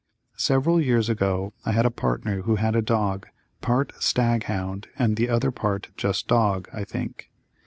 Several years ago I had a partner who had a dog, part stag hound and the other part just dog, I think.